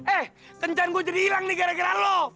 eh kencan gue jadi hilang nih gara gara lo